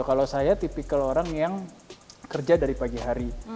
kalau saya tipikal orang yang kerja dari pagi hari